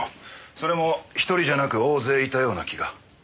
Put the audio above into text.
それも１人じゃなく大勢いたような気が。